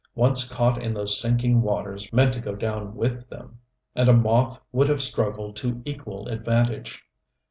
Once caught in those sinking waters meant to go down with them; and a moth would have struggled to equal advantage.